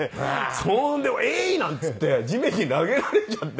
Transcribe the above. それで「エーイ！」なんて言って地面に投げられちゃって。